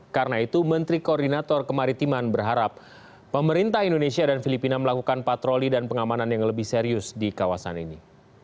karena itu menteri koordinator kemaritiman berharap pemerintah indonesia dan filipina melakukan patroli dan pengamanan yang lebih serius di kawasan ini